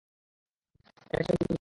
এটা একটা ভুল বোঝাবুঝি ছিলো।